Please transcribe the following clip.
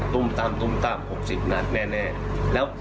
พบมาปั้งครั้งตาม๖๐นัดแน่